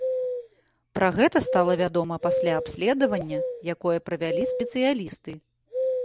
Пра гэта стала вядома пасля абследавання, якое правялі спецыялісты.